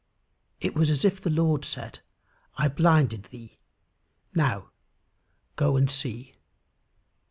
It was as if the Lord said, "I blinded thee: now, go and see."